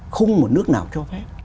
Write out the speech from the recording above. không một nước nào cho phép